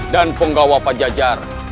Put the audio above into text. dan penggawa pajajar